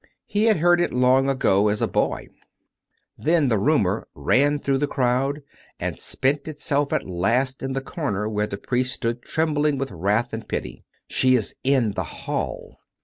He had heard it long ago, as a boy. ... Then the rumour ran through the crowd, and spent itself at last in the corner where the priest stood trembling with wrath and pity. " She is in the hall."